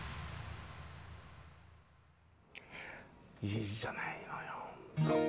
いいじゃないのよ！